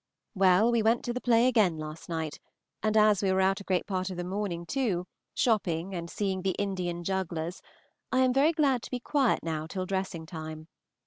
WELL, we went to the play again last night, and as we were out a great part of the morning too, shopping, and seeing the Indian jugglers, I am very glad to be quiet now till dressing time.